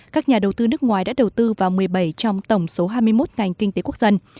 các nhà đầu tư nước ngoài đã đầu tư vào một mươi bảy trong tổng số hai mươi một ngành kinh tế quốc dân